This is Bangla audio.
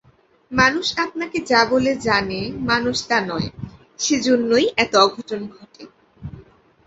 মানুষ আপনাকে যা বলে জানে মানুষ তা নয়, সেইজন্যেই এত অঘটন ঘটে।